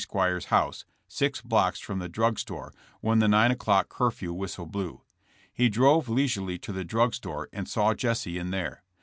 Squires' house, six blocks from the drug store, when the 9 o'clock curfew whistle blew. He drove leisurely to the drug store and saw Jesse in there.